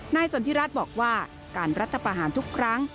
สนทิรัฐบอกว่าการรัฐประหารทุกครั้ง